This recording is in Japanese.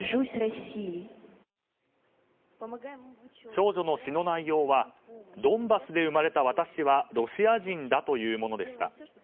少女の詩の内容はドンバスで生まれた私はロシア人だというものでした。